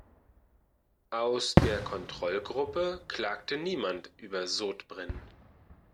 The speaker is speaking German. Aus der Kontrollgruppe klagte niemand über Sodbrennen.